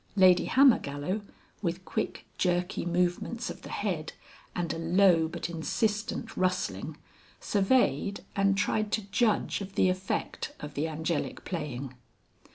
Lady Hammergallow, with quick jerky movements of the head and a low but insistent rustling, surveyed and tried to judge of the effect of the Angelic playing.